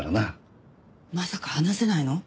まさか話せないの？